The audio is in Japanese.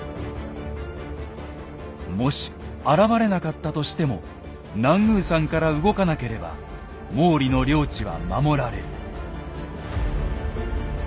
もし現れなかったとしても南宮山から動かなければ毛利の領地は守られる。